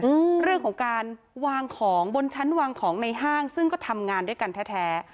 อืมเรื่องของการวางของบนชั้นวางของในห้างซึ่งก็ทำงานด้วยกันแท้แท้